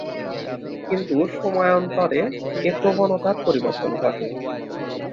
কিন্তু সময়ান্তরে এ প্রবণতার পরিবর্তন ঘটে।